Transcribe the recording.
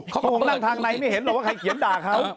เขาก็คงนั่งทางในไม่เห็นหรอกว่าใครเขียนด่าเขา